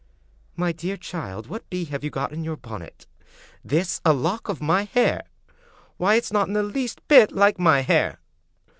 " My dear child, what bee have you got in your bon net? This a lock of my hair! Why, it's not in the least bit like my hair!